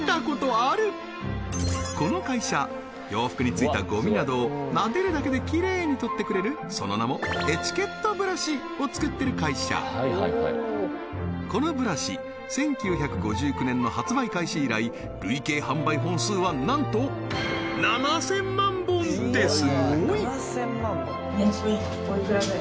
この会社洋服についたゴミなどをなでるだけできれいに取ってくれるその名もエチケットブラシをつくってる会社このブラシ１９５９年の発売開始以来累計販売本数はなんと７０００万本ってすごい！